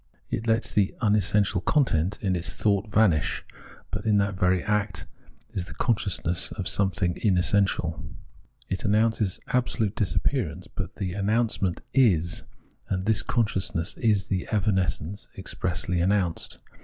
It lets the unessential content in its thought vanish ; but in that very act it is the consciousness of some Scepticism 199 thing unessential. It announces absolute disappearance but the announcement is, and this consciousness is the evanescence expressly announced.